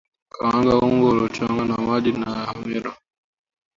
kanga unga uliochanganya na maji ya hamira